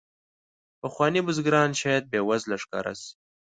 پخواني بزګران شاید بې وزله ښکاره شي.